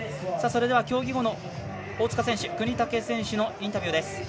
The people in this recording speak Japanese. それでは競技後の大塚選手國武選手のインタビューです。